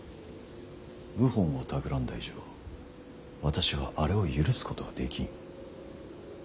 謀反をたくらんだ以上私はあれを許すことはできん。